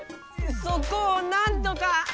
そこをなんとか！